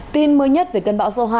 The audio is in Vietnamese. tin mới nhất về cơn bão số hai